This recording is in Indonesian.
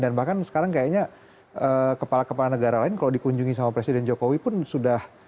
dan bahkan sekarang kayaknya kepala kepala negara lain kalau dikunjungi sama presiden jokowi pun sudah